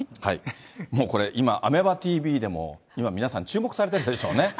もうこれ、今、アベマＴＶでも今、皆さん注目されてるでしょうね。